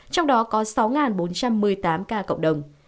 trong đó có sáu bốn trăm một mươi tám ca cộng đồng